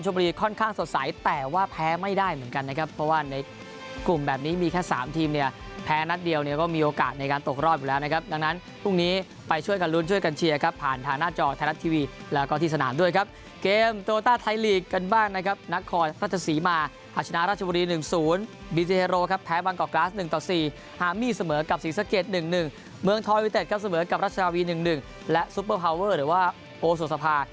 เมืองทอยวิเต็ดเสมอกับราชาวี๑๑และซุปเปอร์พาวเวอร์หรือว่าโอโสสภา